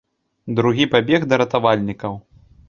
Другі пабег да ратавальнікаў.